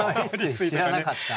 蟻吸知らなかった。